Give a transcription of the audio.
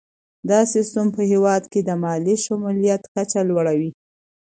دا سیستم په هیواد کې د مالي شمولیت کچه لوړوي.